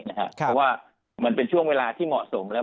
เพราะว่ามันเป็นช่วงเวลาที่เหมาะสมแล้ว